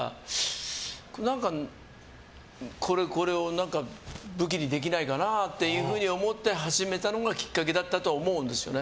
何か、これを武器にできないかなっていうふうに思って始めたのがきっかけだったと思うんですね。